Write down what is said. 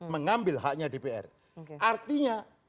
mengambil haknya dpr artinya